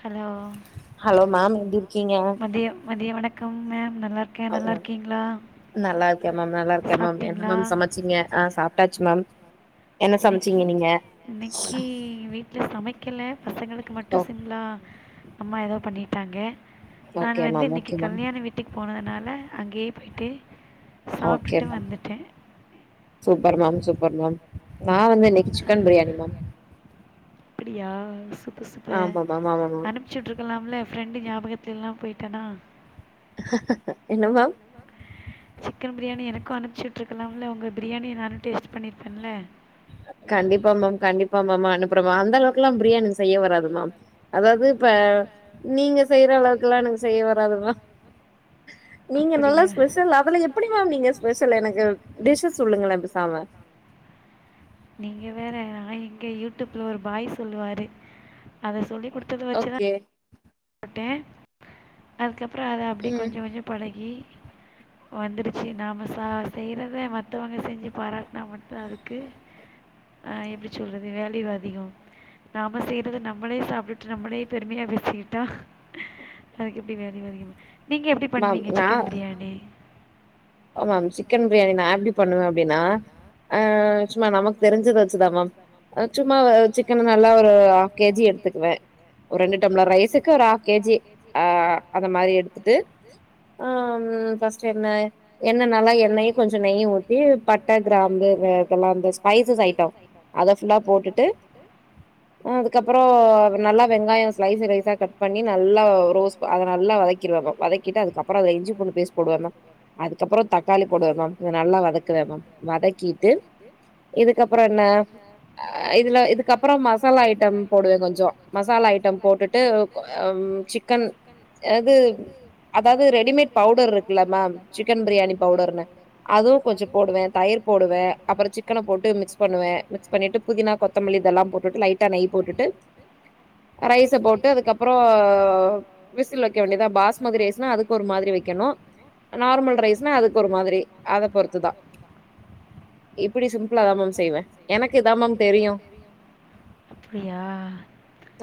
hello மதிய மதிய வணக்கம் மேம் க்கே நல்லாருக்கிங்ளா நல்லா இருக்கே மேம் நல்லா இருக்கே மேம் என்ன மேம் சமைச்சிங்க ஆ சாப்டாச்சு மேம் இன்னைக்கு இன்னைக்கு வீட்ல சமைக்கல பசங்களுக்கு மட்டு சிம்லா அம்மா எதோ பண்ணிட்டாங்க நாங்க வந்து இன்னைக்கு கல்யாண வீட்டுக்கு போனதுனால அங்கயே போய்ட்டு okay ma'am super ma'am super ma'am நா வந்து இன்னைக்கு சிக்கன் பிரியாணி மேம் அப்பிடியா சூப்ப சுப்பர் அனுப்பிச்சுட்ருக்கலாம்ல ஃப்ரெண்டு ஞாபகத்துல இல்லாம போய்ட்டனா என்ன மேம் சிக்கன் பிரியாணி எனக்கு அனுப்பிச்சுட்ருக்கலாம்ல உங்க பிரியாணிய நானு டேஸ்ட் பண்ணிருப்பன்ல கண்டிப்பா மேம் கண்டிப்பா மேம் அனுப்புற மே அந்தளவுக்குலா பிரியாணி செய்ய வராது மேம் அதாது இப்ப நீங்க செய்யற அளவுக்லா எனக்கு செய்ய வராதுமா நீங்க நல்லா ஸ்பெஷல் அதுல எப்படி மேம் நீங்க ஸ்பெஷல் எனக்கு டிஷ் சொல்லுங்களே பேசாம நீங்க வேற நா எங்க யூடியூப்ல ஒரு பாய் சொல்லுவாரு அத சொல்லி குடுத்தத வச்சுதா டே அதுக்கப்புற அத அப்டியே கொஞ்ச கொஞ்ச பழகி வந்துருச்சு நாம ச செய்றத மத்தவங்க செஞ்சு பாரா ட்ன மட்டு அதுக்கு ஆ எப்டி சொல்றது வேல் யு அதிக நாம செய்றத நம்மளே சாப்டுட்டு நம்மளே பெருமையா பேசிகிட் டா அதுக்கு எப்டி வேல்யு அதிகமா நீங்க எப்டி பண்ணுவிங்க சிக்கன் பிரியாணி ஆ மேம் சிக்கன் பிரியாணி நா எப்டி பண்ணுவ அப்டினா ஆ சும்மா நமக் தெரிஞ்சத் வச்சுதா மேம் சும்மாவ சிக்கன நல்லா ஒரு ‌‌ஆஃப் கேஜி எடுத்துக்குவே ஒரெண்டு டம்லர் ரைஸுக்கு ஒரு ஆஃப் கேஜி அ அத மாரி எடுத்துட்டு ஆம் ஃபஸ்ட்டு எண்ண எண்ண நல்லா எண்ணயு கொஞ்ச நெய்யு‌ ஊத்தி பட்ட கிராம்பு வே இதலாந்தஸ் பைசஸ் ஐட்டொ அத ஃபுல்லா போட்டுட்டு அது கப்பறோ நல்லா வெங்காயொ ஸ்லைஸ ரைஸ்ஸா கட் பண்ணி நல்லா ரோஸ்பு அத நல்லா வதக்கிறுவாங்கொ வத தக்கிட்டு அதுக்கப்பறத இஞ்சி பூண்டு பேஸ்ட் போடுவேமா அதுக்கப்புற தக்காளி போடுவே மேம் இத நல்லா வதக்குவே மாம் வதக்கீட்டு இதுக்கப்புற என்ன அ இதுல ‌ இதுக்கப்ற மசாலா ஐட்டம் போடுவே கொஞ்சொ மசாலா ஐட்டம் போட்டுட்டு ம் சிக்கன் எது அதாது ரெடிமேட் பவுடர் இருக்குல்ல மேம் சிக்கன் பிரியாணி பவுடர்னு அதுவு கொஞ்ச போடுவே தயிர் போடுவே அப்புற சிக்கன போட்டு மிக்ஸ் பண்ணுவே மிக்ஸ் பண்ணிட்டு புதினா கொத்தமல்லி இதல்லா போட்டுட்டு லைட்டா ‌‌நெய் போட்டுட்டு ரைஸ போட்டு அதுக்கப்பறோ விசில் வக்க வேண்டியதா பாஸ்மதி ரைஸ்னா அதுக்கு ஒரு மாதுரி விக்கனு நார்மல் ரைஸ்னா அதுக் ஒரு மாதுரி அத பொறுத்து தா இப்புடி சிம்புளா தா மேம் செய்வே எனக்கு இதா மம் தெரியு அப்புடியா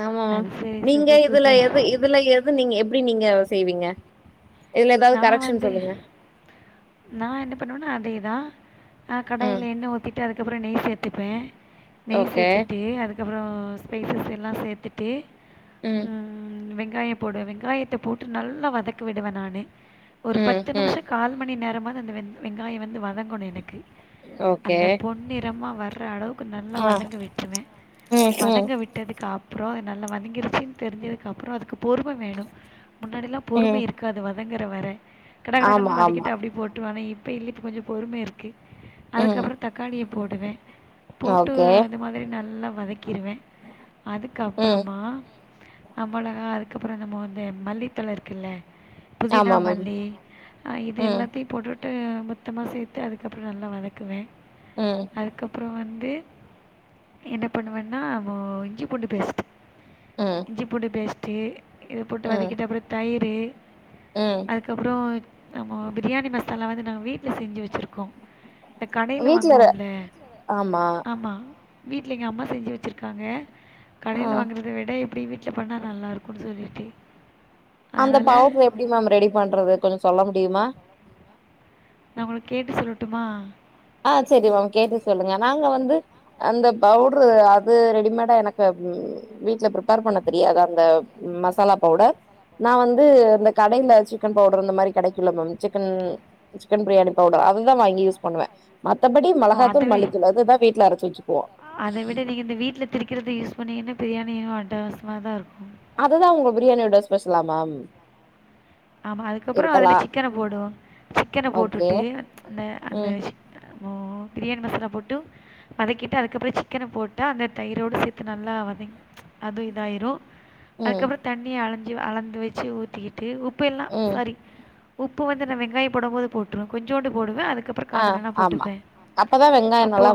ஆமா மேம் நீங்க இதுல எது இதுல எது நீங்க எப் ப்டி நீங்க செய்வீங்க நா வந்து நா என்ன பண்ணுவனா அதேதா அ கடாயில எண்ண ஊத்திட்டு அதுக்கப்ற நெய் சேத்துப்பே நெய் சேத்துட்டு அதுக்கப்ரொ பெய்சஸ் எல்லா சேத்துட்டு ம் வெங் வெங்காய போடு வெங்காயத்த போட்டு நல்லா வதக்கு விடுவ நானு ஒரு பத்து நிமுஷ கால் மணி நேரம் மண் அந்த வெந் வெங்காய வந்து வதங்கணு எனக்கு அந்த பொன்னிறமா வர்ற அளவுக்கு நல்லா வதங்கு விட்டுருவே வதங்க விட்டதுக்கு அப் ப்ரொ அது நல்ல வதங்கிருச்சின் தெரிஞ்சதுக்கு அப்றொ அதுக்கு பொறும வேணு முன்னாடிலா பொறும இருக்காது வத் தங்குற வர கட கட கட்னு வதக்கிட்டு அப்டி போட்ருவனே இப்ப இல்லி இப்ப கொஞ்ச பொறுமை இருக்கு அதுக்கப்ற தக்காளிய போடுவே போட்டு அது மாதுரி நல்லா வதக் கிருவே அதுக்கப்றமா நம்மள அது கப்பற ‌‌‌ நம்ம வந்து மல்லித்தல இருக்குல புதினா மல்லி இது அ எல்லாத்யு போட்டுட் டு மொத்தமா சேத்து அதுக்கப்ற நல்லா வதக்குவே அதுக்கப்புற வந் என்ன பண்ணுவென்னா ஒ இஞ்சி பூண்டு பேஸ்ட் இஞ்சி பூண்டு பேஸ்ட்டு இத போட்டு வதக்கிட்டு அப்ற தயிர் அதுக்கப்புறோ நம்மோ பிரியாணி மசாலா வந்து நாங் வீட் செஞ்சு வச்சிருக்கோ இந்த கடைல வாங்குவோம்ல ஆமா வீட்ல எங்க அம்மா செஞ்சு வெச்சிருக்காங்க கடைல வாங்குறத விட எப்டி விட் கிய பண்ணா நல்லாருக்குன் சொல்லிட்டு அந்த பவுட்ரு எப்டி மேம் ரெடி பண்றது கொஞ்ச சொல்ல முடியுமா நா உங்களுக் கேட்டு சொல்லட்டுமா ஆ செரி மேம் கேட்டு சொல்லுங்க நாங்க வந்து அந்த பவுட்ரு அது ரெடிமேடா எனக்கு வீட்ல பிரிப்பேர் பண்ண தெரியாது அந்த மசாலா பவுடர் நா வந்து இந்த கடைல சிக்கன் பவுட்ர் இந்த மாரி கெடைக்குல ma'am chicken chicken biryani powder அது தா வாங்கி யூஸ் பண்ணுவே மத்தபடி மெளகாத்தூள் மல்லித்தூள் அது தா வீட்ல அரச்சு வெச்சுக்குவோ அத விட நீங்க இந்த வீட்ல திரிக்கிறது யூஸ் பண்ணீங்கன்ன பிரியாணியு அட்டகாசமா தா இருக்கு அததா உங்க பிரியாணி யோட ஸ்பெஷலா மேம் ஆமா அதுக்கப்புறொ அதுலே சிக்கன போடுவோ சிக்கன போட்டுட்டு அந்த அந்த ம் பிரியாணி மசாலா போட்டு வதக்கிட்டு அதுக்கப்புறம் சிக்கன போட்டா அந்த தயிரோடு சேத் து நல்லா வதைங் அதுவும் இதாயிரும் அதுக்கப்புறம் தண்ணிய அலஞ் சி அளந்து வெச்சு ஊத்திகிட்டு உப்பு எல்லா சாரி உப்பு வந்து நா வெங்காயம் போடும் போது போட் ட்ருவே கொஞ்சோண்டு போடுவே அதுக் கப்புறம் காணலல்லா போட்டுப்பே அப்போ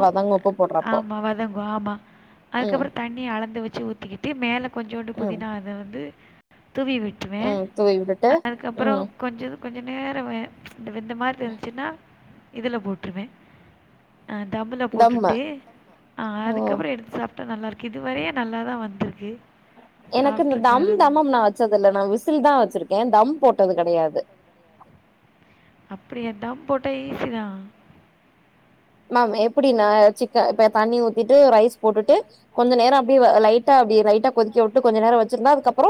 ஆமா வதம் வாமா அதுக்கப்பற தண்ணிய அளந்து வெச்சு ஊத்திக்கிட்டு மேல கொஞ்சூண்டு புதினா இத வந்து தூவி விட்ருவே அதுக்கப்பற கொஞ்ச கொஞ்ச நேர வே இந்த வெந்த மாரி தெரிஞ்சுச்சுன்னா இதுல போட்ருவே அ தம்முல போட்டுட்டு அ அதுக்கப்பற எடுத்து சாப் ட்டா நல்லாருக்கு இதுவரயு நல்லாதா வந்திது எனக்கு இந்த தம் தமம் நா வெச்சதில்ல நா விசில்தா வெச்சிருக்கே தம் போட்டது கெடையாது அப்படியா தம் போட்டா ஈஸிதா ம்மா எப்படி நா சிக்க இப்ப தண்ணி ஊத்திட்டு ரைஸ் போட்டுட்டு கொஞ்ச நேர அப்டே லைட்டா அப்டே லைட்டா கொதிக்க விட்டு கொஞ்ச நேர வெச்சிருந்தா அதுக்கப்பற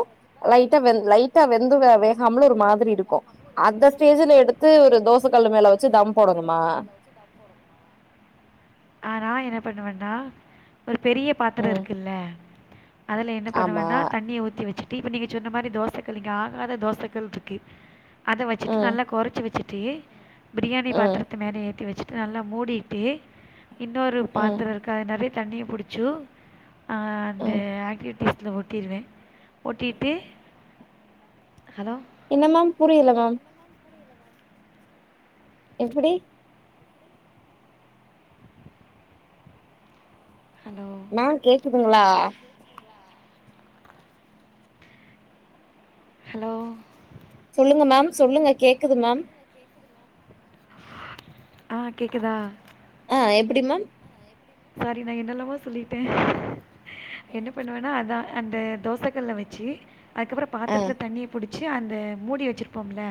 லைட்டா லைட்டா வெந்து வேகாமலு ஒரு மாதிரி இருக்கு அந்த ஸ்டேஜுல எடுத்து ஒரு தோசை கல்ல மேல வெச்சு தம் போடனுமா ஆ நா என்ன பண்ணுவண்ணா ஒரு பெரிய பாத்திர இருக்குல்ல அதுல என்ன பண்ணுவன்னா தண்ணிய ஊத்தி வெச்சு இப்ப நீங்க சொன்ன மாரி தோசக்கல் இங்க ஆகாத தோசக்கல் இருக்கு அத வெச்சுட்டு நல்லா கொறச்சு வெச்சுட் டு பிரியாணி பாத்திரத்த மேல ஏத்தி வெச்சுட்டு நல்லா மூடிட்டு இன்னொரு பாத்திர இருக்கு அது நெற தண்ணிய புடிச்சு அந்த ஆக்டிவிட்டிஸ்ல ஒட்டிருவே ஒட்டிட்டு ஹலோ என்ன மேம் புரியல மேம் எப்படி மேம் கேக்குதுங்களா ஹலோ சொல்லுங்க மேம் சொல்லுங்க கேக்குது மேம் ஆ கேக்குதா ஆ எப்டி மம் சாரி நா என்னல்லாமோ சொல்லிட்ட என்ன பண்ணுவன்னா அதா அந்த தோசைகள்ல்ல வச்சு அதுக்கப்புற பாத்திரத்துல தண்ணிய பிடிச்சி அந்த மூடி வச்சிருப்போம்ல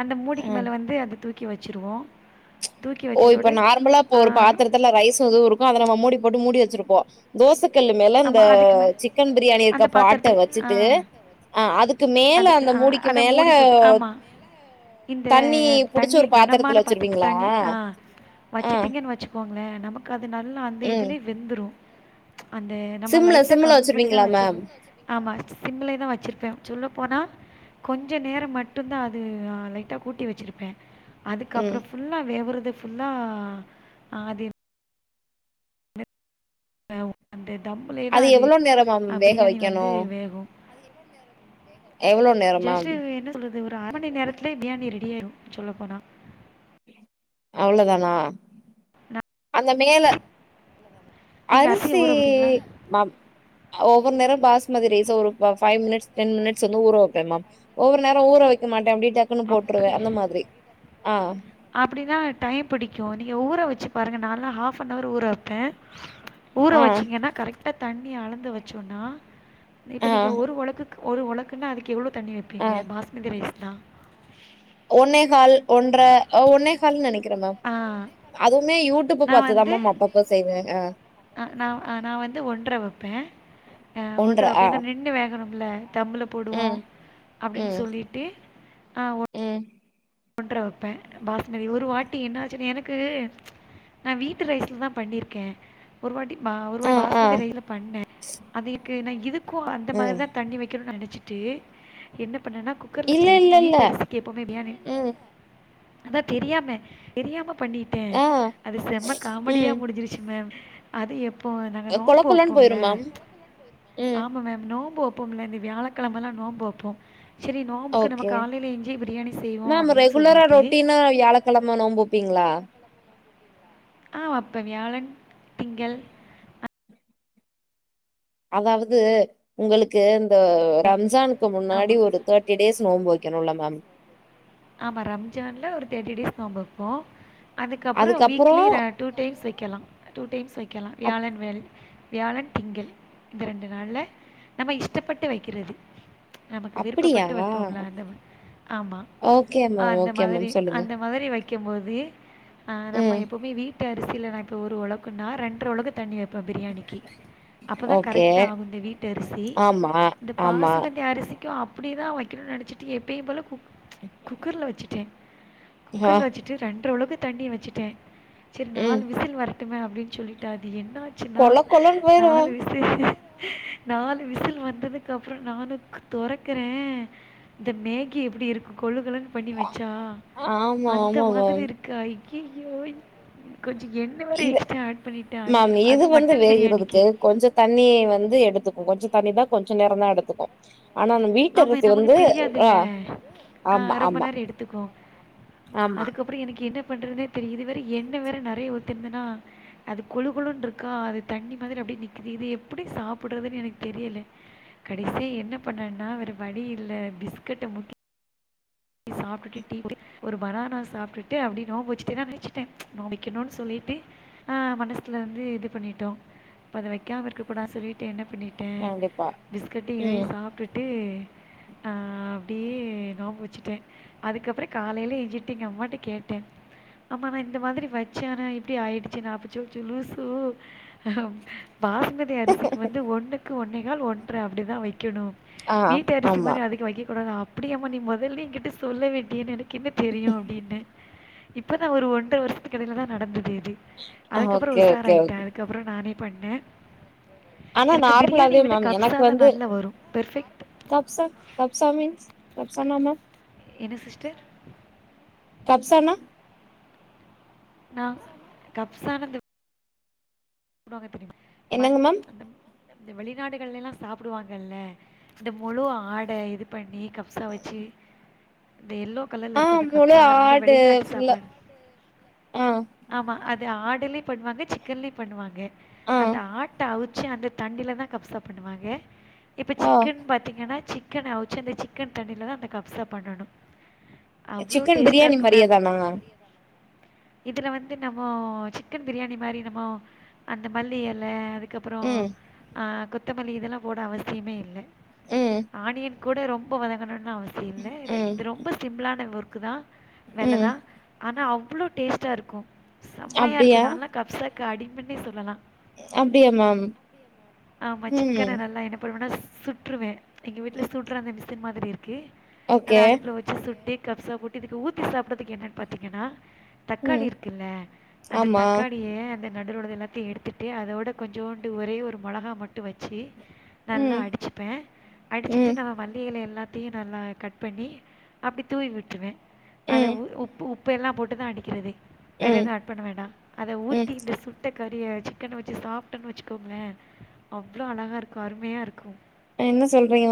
அந்த மூடிக்கு மேல வந்து அது தூக்கி வச்சிருவோ ஓ இப்ப நார்மலா இப்ப ஒரு பாத்திரத்துல ரைஸ் எதுவு இருக்கு அத நம்ம மூடி போட்டு மூடி வச்சிருப்போ தோசைக் க்கல்லு மேல இந்த சிக்கன் பிரியாணி இருக்க பாட்ட வச்சுட்டு ஆ அதுக்கு மேல அந்த மூடிக்கு மேல இந்த தண்ணி கனமான பாத்தத்து தண்ணி ஆ வச்சிட்டீங்கன் வச்சிக்கோங்கள நமக்கு அது நல்லா அந்த இதுலே வெந்துரு அந்த நம்ம லைட்டா கம்மி பண்ணிதா வச்சுப்போ ஆமா சிம்லே தா வச்சிருப்ப சொல்ல போனா கொஞ்ச நேரோ மட்டுந் தா அது லைட்டா கூட்டி வச்சிருப்ப அதுக்கப்புறோ ஃபுல்லா வெவுரது ஃபுல்லா அது அ அந்த தம்லேதா அது அ பிரியாணி வந்து வேகு எவ்ளோ நேரோ மம் ஒரு அர மணி நேரத்துலே பிரியாணி ரெடி ஆயிரு சொல்லப் போனா அவ்ளதானா அந்த மேல அரிசி மம் ஒவ்வொரு நேரோ பாஸ்மதி ரைஸ் ஒரு பை மினிட்ஸ் டென் மினிட்ஸ் வந்து ஊற வைப்ப மம் ஒவ்வொரு நேரோ ஊற வைக்கமாட்ட அப்டியே அப்படி அப்டின்னா டைம் பிடிக்கு நீ ங்க ஊற வச்சு பாருங்க நானா ஹாஃப் நவர் ஊற வைப்ப ஊற வச்சீங்கன்னா கரெக்ட் டா தண்ணி அளந்து வச்சோனா இப்ப நீங்க ஒரு ஒள்க்கு ஒரு ஒள்க்குன்னா அதுக்கு எவ்லோ தண்ணி வைப்பீங்க பாஸ்மதி ரைஸ் தா ஒன்னே கால் ஒன்ற ஒன்னே கால்ன்னு நெனைக்கிற மேம் அதுமே யூடியூப் பாத்துதா மேம் அப்ப அப்ப செய்வே ஆ ஆ ஹ நா வந்து ஒன்ற வப்பே ஆ ஒன்ற வைப்ப ஏன்னா நின்னு வேகணும்ல தம்புல்ல போடுவோ அப்டின்னு சொல்லிட்டு உம் ஒன்ற வப்பே பாஸ்மதி ஒரு வாட் ஒரு வாட்டி என்ன ஆச்சு எனக்கு நா வீட்டு ரைஸ்ல தா பண்ணிருக்கே ஒரு வாட்டி மா ஒரு வாட்டி பாசுமதி ரைஸ்ல்ல பண்ண அது இதுக்கு என்ன இதுக்கு அந்த மாதிரி தா தண்ணி வைக்கணுனு நெனச் சுட்டு என்ன பண்ணனா குக்கர்ல செய்னு வீட்டு அரிசிக்கு எப்பவுமே பிரியாணி அதா தெரியாம தெரியாம பண்ணிட்ட அது செம்ம காமெடியா முடிஞ்சிருச்சு மேம் அது எப் போ நாங்க நோன்பு வைப்போம்ல ஆமா மேம் நோம்பு வைப் வைப்போம்ல இந்த வியாழக்கிழமல்லா நோம்பு வைப்போ செரி நோம்புக்கு நம்ம காலையில எஞ்சி பிரியாணி செய்வோ குல்லர ரொட்டீனா வியாழக்கிழம நோம்பு வைப்பீங்களா ஆ வைப்பங் வியாழன் திங்கள் அ அதாவது உங்களுக்கு இந்த ரம்சானுக்கு முன்னாடி ஒரு தேர்டி டேஸ் நோன்பு வைக்கணும் இல்ல மேம் ஆமா ரம்ஜான்ல ஒரு தேர்ட்டி டேஸ் நோன்பு வைப்போ அதுக்கப்புறோ வீக்லி ரா டூ டைம்ஸ் வைக்கலா டூ டைம்ஸ் வைக்கலா வியாழன் வெள் வியாழன் திங்கள் இந்த ரெண்டு நாள்ல நம்ம இஷ்டப்பட்டு வைக்கிறது நமக்கு விருப்பப்பட்டு வைப்போம்லா அந்த ஆமா ஆ அந்த மாதிரி அந்த மாதிரி வைக்கு போது நம்ம எப்பவுமே வீட்டு அரிசியில நா இப்ப ஒரு ஒலக்கொதா ரெண்டற உலக்கு தண்ணி வை ப்பே பிரியாணிக்கு அப்போதா கரெக்ட்டா ஆகு இந்த வீட்ட அரிசி இந்த பாசிமந்தி அரிசிக்கு அப்டியேதா வைக்கணு நெனச்சிட்டு எப்பயு போல குக் குக்கரல வச்சுட்டே குக்கர்ல்ல வச்சுட்டு ரெண்டரளவுக்கு தண்ணிய வச்சுட்டே சேரி நாலு விசில் வரட்டுமே அப்டின்னு சொல்லிட்டு அது என்ன ஆச்சுன்னா நாலு விசில் நாலு விசில் வந் ததுக்கு அப்புறோ நானு தொறக்கற இந்த மேகி எப்டி இருக்கு கொழுகொழுன்னு பண்ணி வச்சா அந்த மாதிரி இருக்கு அய்யய்யோ கொஞ்சோ எண்ண வேற எக்ஸ்ட்ரா ஆட் பண்ணிட்ட அதுவு மட்டன் பிரியாணிக்கி எடுத்துக்கு கொஞ்சோ தண்ணிதா கொஞ்சோ நேரம் தான் எடுத்துக்கு ஆமா நமக்கு தெரியாதுல்ல ஆ ரொம்ப நேரோ எடுத்துக்கு அதுக்கு அப்புறோ எனக்கு என்ன ப்பண்ணுருதுன்னே தெரியுல இதுவேற எண்ண வேற நெறைய ஒத்திருந்தனா அது கொழு கொழுனு இருக்கா அது தண்ணி மாதிரி அப் டியே நிக்குது இது எப்டி சாப்புடுறதுன்னு எனக்கு தெரியல கடைசி என்ன பண்ண ன்னா வேற வழி இல்ல பிஸ்கட்ட முக்கி சாப்பிட்டுட்டு டீ ஒரு பணண்னா சாப்பிட்டுட்டு அப்டியே நோம்பு வச்சுட்டே நா முடிச்சுட்டே நோ வக்கணுன்னு சொல்லி இட்டு ஆ மனசுல வந்து இது பண்ணிட்டோ இப்ப அத வைக்காம இருக்கக்க கூடா சொல்லிட்டு என்ன பண்ணிட்டே பிஸ்கட்டு இதையு சாப்ட்டுட்டு ஆ அப்டியே நோன்பு வைச்சிட் டே அதுக்கப்புறோ காலையில எஞ்சிட்டு எங்க அம்மாட்ட கேட்டே அம்மா நா இந்த மாதிரி வச்செ ஆனா இப்டி ஆயிடுச்சு நாச்சுச்சு லூசூ பாஸ்மதி அரிசிக்கு வந்து ஒன்னுக்கு ஒன்னே கால் ஒன்ற அப்டிதா வைக் கணு வீட்டு அரிசி மாதிரி அதுக்கு வைக்கக்க கூடாது அப்டியெம்மா நீ மொதல்லே எங்கிட்ட சொல்ல வேண்டியேன்னு எனக் கென்ன தெரியு அப்டின்னு இப்பதா ஒரு ஒன்டற வருஷத்துக்கெடையில தா நடந்தது அதுக்கப்றோ உசாரா ஆயிட்டே அதுக்கப்றோ நானே பண்ணே எனக்கு பிரியாணிய விட கப்சாதா நல்லா வரு பெர்பெக்ட் கப்ச கப்ச மீன்ஸ் கப்சனா மேம் என்ன சிஸ்டர் கப்சான அ கப்சா னது போடுவாங்க தெரியும்மா மண் அந்த இந்த வெளிநாடுகள்லயெல்லா சாப்புடுவாங்கல்ல இந்த முழு ஆட இது பண்ணி கப்சாவச்சி இந்த எல்லோ கலர்ல இருக்கு அந்த கப்சா அது வந்து வெளிநாட்டு சாப்பாடு ஆமா அது ஆடலயும் பண்ணுவாங்க சிக்கன்லயும் பண்ணுவாங்க அந்த ஆட்ட அவுச் சி அந்த தண்ணில தா கப்சா பண்ணுவாங்க இப்ப சிக்கன் பாத்தீங்கன்னா சி சிக்கன் அவிச்சு அந்த சிக்கன் தண்ணில தா அந்த கப்சா பண்ணனும் சிக்கன் பிரியாணி மாதிரியே தானா இதுல வந்து நம்மோ சிக்கன் பிரியாணி மாரி நம்மோ அந்த மல்லி எல அதுக்கப்புற அ கொத்தமல்லி இதெல்லா போட அவசியமே இல்ல ஆனியன் கூட ரொம்ப வதங்கணும்னு அவசியம் இல்ல இது ரொம்ப சிம்பிளான ஒர்க் தான் வேலதா ஆனா அவ்ளோ டேஸ்ட்டா இருக்கும் செம்மையா இருக்கு நாலா கப்சா அடிமணே சொல்லலாம் அப்படியா மேம் உம் சுற்றுவே எங்க வீட்ல சுட்ற அந்த மிஷின் மாதிரி இருக்கு அத அடுப்பில வச்சு சுட்டே கப்சா போட்டு இதுக்கு ஊத்தி சாப்பிடறதுக்கு என்னன்னு பாத்தீங்கன்னா தக்காளி இருக்குல்ல அந்த தக்காளிய அந்த அதரடது எல்லாத்தையும் எடுத்துட்டு அதோட கொஞ்சோண்டு ஒரே ஒரு மிளகா மட்டு வச்சி நல்லா அடிச்சுப்பே அடிச்சுட்டு நம்ம மல்லியில எல்லா அப்டியே நல்லா கட் பண்ணி அப்டி தூவி விட்ருவே அது உப்பு உப் உப்பெல்லா போட்டு தா அடிக்கிறதே வேற எதும் ஆட் பண்ண வேண்டா அத ஊத்திட்டு சுட் கறிய சிக்கன வச்சு சாப்பிட்டன்னு வச்சுக்கோங்களே அவ்ளோ அழகா இருக்கும் அருமையா இருக்கும் என்ன சொல்றீயோ